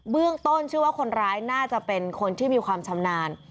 ต้นชื่อว่าคนร้ายน่าจะเป็นคนที่มีความชำนาญ